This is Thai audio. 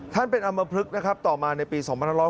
ท่านเป็นอำมพลึกนะครับต่อมาในปี๒๕๖๐